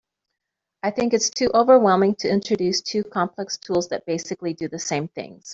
I think it’s too overwhelming to introduce two complex tools that basically do the same things.